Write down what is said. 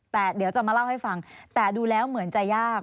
แต่เดี๋ยวจะมาเล่าให้ฟังแต่ดูแล้วเหมือนจะยาก